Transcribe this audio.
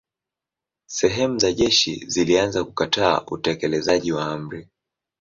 Sehemu za jeshi zilianza kukataa utekelezaji wa amri.